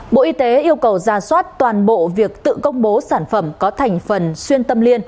bộ y tế yêu cầu ra soát toàn bộ việc tự công bố sản phẩm có thành phần xuyên tâm liên